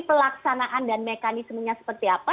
pelaksanaan dan mekanismenya seperti apa